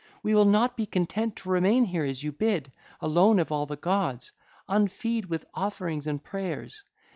We will not be content to remain here, as you bid, alone of all the gods unfee'd with offerings and prayers.